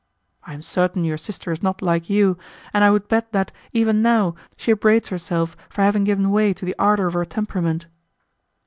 I am certain your sister is not like you, and I would bet that, even now, she upbraids herself for having given way to the ardour of her temperament."